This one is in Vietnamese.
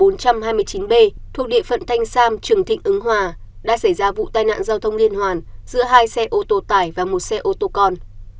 đây là vụ tai nạn giao thông nghiêm trọng giao thông nghiêm trọng giao thông nghiêm trọng giao thông nghiêm trọng giữa hai xe ô tô tải và một xe ô tô con